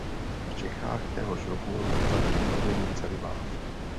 V Čechách téhož roku zavedl povinný celibát.